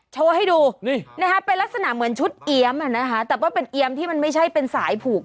โชว์ให้ดูนี่นะคะเป็นลักษณะเหมือนชุดเอี๊ยมแต่ว่าเป็นเอียมที่มันไม่ใช่เป็นสายผูก